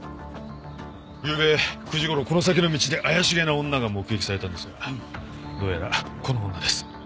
ゆうべ９時頃この先の道で怪しげな女が目撃されたんですがどうやらこの女です。